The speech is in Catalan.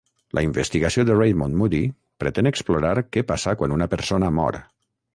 La investigació de Raymond Moody pretén explorar què passa quan una persona mor.